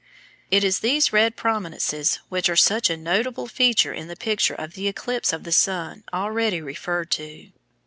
It is these red "prominences" which are such a notable feature in the picture of the eclipse of the sun already referred to.